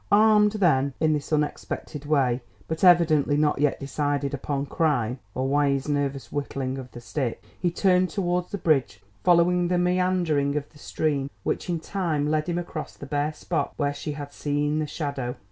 Armed, then, in this unexpected way, but evidently not yet decided upon crime (or why his nervous whittling of the stick) he turned towards the bridge, following the meandering of the stream which in time led him across the bare spot where she had seen the shadow.